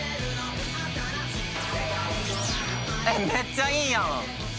えっめっちゃいいやん！